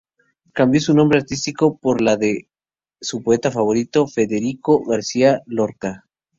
Cambió su nombre artístico, por el de su poeta favorito, Federico García Lorca.